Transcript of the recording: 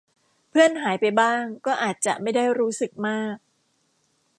เพื่อนหายไปบ้างก็อาจจะไม่ได้รู้สึกมาก